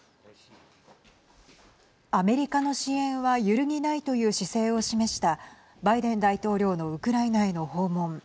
アメリカの支援は揺るぎないという姿勢を示したバイデン大統領のウクライナへの訪問。